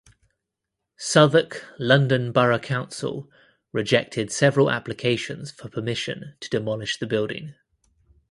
Southwark London Borough Council rejected several applications for permission to demolish the building.